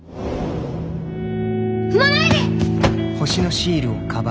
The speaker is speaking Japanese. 踏まないで！